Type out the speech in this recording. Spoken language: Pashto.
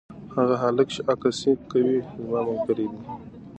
هغه هلک چې عکاسي کوي زما ملګری دی.